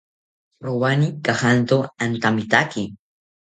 Rowani kajanto antamitaki